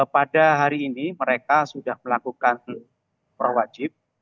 pada hari ini mereka sudah melakukan perwajib